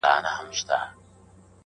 ځينې کورنۍ کډه کوي او کلي پرېږدي ورو ورو،